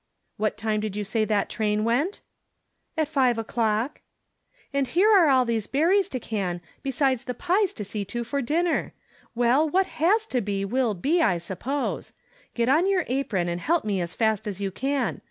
" What time did you say that train went? "" At five o'clock." " And here are all these berries to can, besides the pies to see to for dinner. Well, what has to be wUl be, I suppose. Get on your apron and help me as fast as you can.